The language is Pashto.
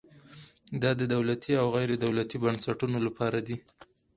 دا د دولتي او غیر دولتي بنسټونو لپاره دی.